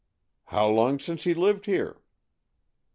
"How long since he lived here?"